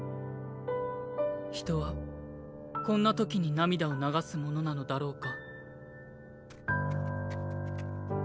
人はこんなときに涙を流すものなのだろうか。